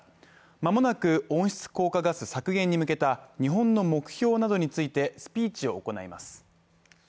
間もなく温室効果ガス削減に向けた日本の目標などについてスピーチを行います。